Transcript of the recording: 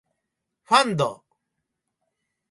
ファンド